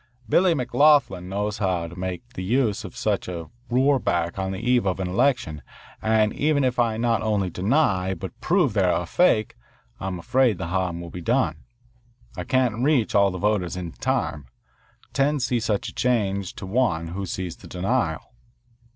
Billy McLoughlin knows how to make the best use of such a roorback on the eve of an election, and even if I not only deny but prove that they are a fake, I'm afraid the harm will be done. I can't reach all the voters in time. Ten see such a charge to one who sees the denial."